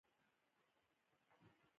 هغه پر ځای یې نورې ګټورې کارخانې جوړوي